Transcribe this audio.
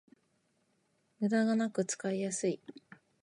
ムダがなく使いやすい